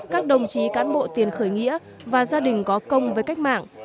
các đồng chí cán bộ tiền khởi nghĩa và gia đình có công với cách mạng